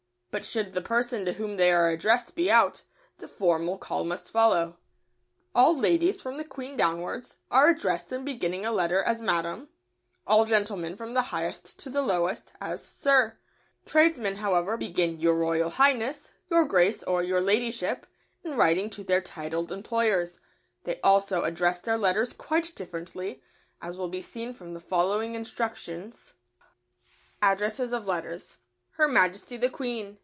But should the person to whom they are addressed be out, the formal call must follow. [Sidenote: Styles of address at the beginning of a letter.] All ladies, from the Queen downwards, are addressed in beginning a letter as "Madam"; all gentlemen, from the highest to the lowest, as "Sir." Tradesmen, however, begin "Your Royal Highness," "Your Grace," or "Your Ladyship," in writing to their titled employers. They also address their letters quite differently, as will be seen from the following instructions: ADDRESSES OF LETTERS. Her Majesty the Queen.